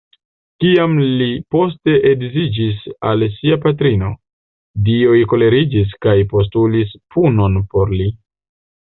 Kiam li poste edziĝis al sia patrino, dioj koleriĝis kaj postulis punon por li.